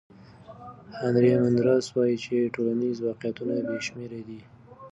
هانري مندراس وایي چې ټولنیز واقعیتونه بې شمېره دي.